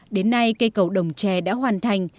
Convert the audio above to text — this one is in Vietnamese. đến nay cây cầu đồng trè đã hoàn thành